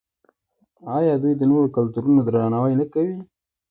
آیا دوی د نورو کلتورونو درناوی نه کوي؟